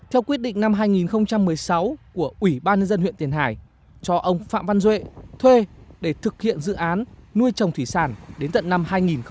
họ quyết định năm hai nghìn một mươi sáu của ủy ban dân huyện tiền hải cho ông phạm văn duệ thuê để thực hiện dự án nuôi trồng thủy sản đến tận năm hai nghìn sáu mươi năm